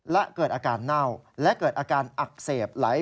และเกิดอาการเน่าและเกิดอาการอักเสบไหล